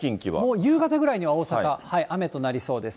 もう夕方ぐらいには大阪、雨となりそうです。